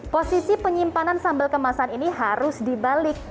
posisi penyimpanan sambal kemasan ini harus dibalik